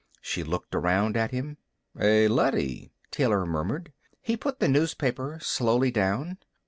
She looked around at him. "A leady," Taylor murmured. He put the newspaper slowly down.